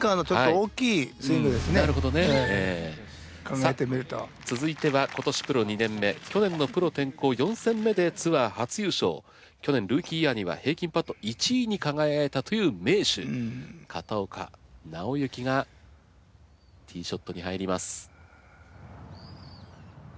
さあ続いては今年プロ２年目去年のプロ転向４戦目でツアー初優勝去年ルーキーイヤーには平均パット１位に輝いたという名手・片岡尚之がティーショットに入ります。